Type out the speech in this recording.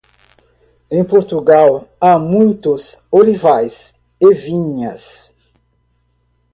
Em Portugal há muitos olivais e vinhas.